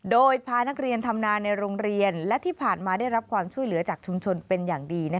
โดยพานักเรียนทำนาในโรงเรียนและที่ผ่านมาได้รับความช่วยเหลือจากชุมชนเป็นอย่างดี